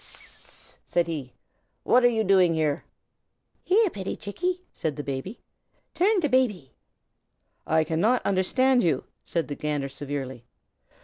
"S s s s s!" said he. "What are you doing here?" "Here, pitty Chickie!" said the Baby. "Tum to Baby." "I cannot understand you," said the Gander, severely.